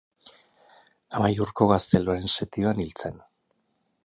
Amaiurko gazteluaren setioan hil zen.